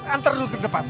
antar dulu ke depan